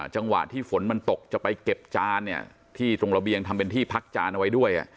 จังหวะที่ฝนมันตกจะไปเก็บจานเนี่ยที่ตรงระเบียงทำเป็นที่พักจานเอาไว้ด้วย